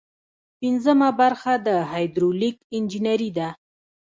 پنځمه برخه د هایدرولیک انجنیری ده.